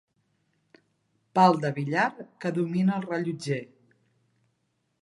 Pal de billar que domina el rellotger.